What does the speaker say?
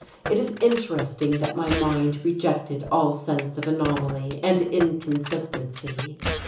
It is interesting that my mind rejected all sense of anomaly and inconsistency.